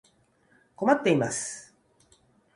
困っています。